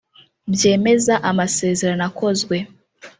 byemeza amasezerano akozwe